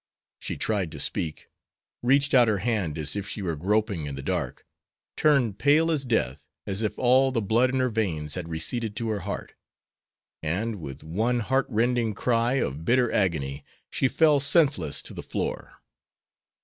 She tried to speak, reached out her hand as if she were groping in the dark, turned pale as death as if all the blood in her veins had receded to her heart, and, with one heart rending cry of bitter agony, she fell senseless to the floor.